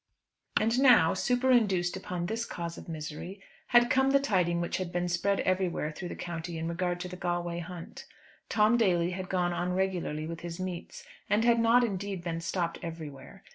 And now, superinduced upon this cause of misery, had come the tidings which had been spread everywhere through the county in regard to the Galway hunt. Tom Daly had gone on regularly with his meets, and had not indeed been stopped everywhere.